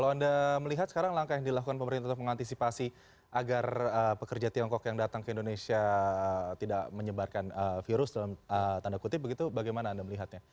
kalau anda melihat sekarang langkah yang dilakukan pemerintah untuk mengantisipasi agar pekerja tiongkok yang datang ke indonesia tidak menyebarkan virus dalam tanda kutip begitu bagaimana anda melihatnya